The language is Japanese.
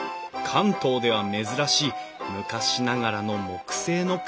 関東では珍しい昔ながらの木製の冠水橋。